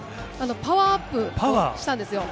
パワーアップをしたんですよ。